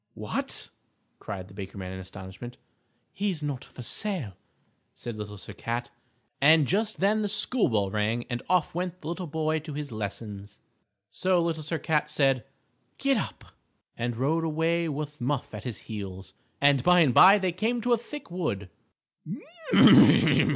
"What!" cried the Baker Man, in astonishment. "He's not for sale," said Little Sir Cat. And just then the school bell rang and off went the little boy to his lessons. So Little Sir Cat said "Gid ap!" and rode away with Muff at his heels, and by and by they came to a thick wood.